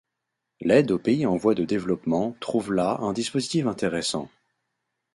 L'aide aux pays en voie de développement trouve là un dispositif intéressant.